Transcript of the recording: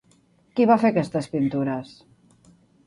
Qui va fer aquestes pintures?